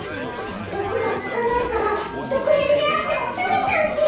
毒が効かないから毒蛇であっても食べちゃうし。